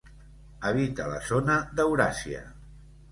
Habita la zona d'Euràsia.